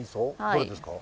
どれですか？